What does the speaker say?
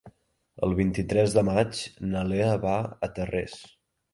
El vint-i-tres de maig na Lea va a Tarrés.